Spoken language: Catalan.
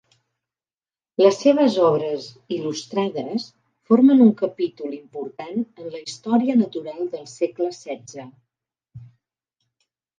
Les seves obres il·lustrades formen un capítol important en la història natural del segle XVI.